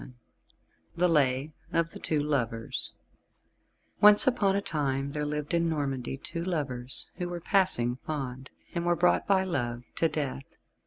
VII THE LAY OF THE TWO LOVERS Once upon a time there lived in Normandy two lovers, who were passing fond, and were brought by Love to Death.